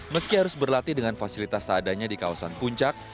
meski harus berlatih dengan fasilitas seadanya di kawasan puncak